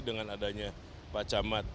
dengan adanya pacamat